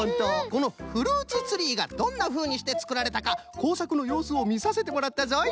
このフルーツツリーがどんなふうにしてつくられたかこうさくのようすをみさせてもらったぞい！